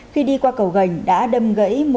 khi đi qua cầu gành đã đâm gãy một